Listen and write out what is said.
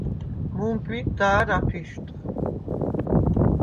მუ̄მბვიდ და̄რ აფიშვდხ.